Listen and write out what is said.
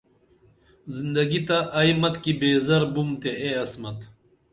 زندگی تہ آئی متِکی بیزر بُم تے اے عصمت